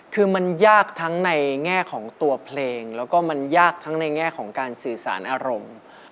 คือมันยากทั้งในแง่ของตัวเพลงแล้วก็มันยากทั้งในแง่ของการสื่อสารอารมณ์